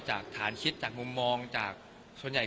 จากฐานคิดจากมุมมองจากส่วนใหญ่